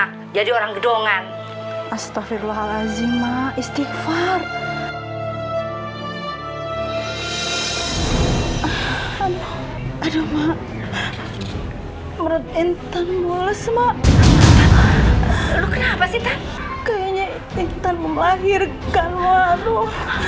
kayaknya intan memlahirkan warung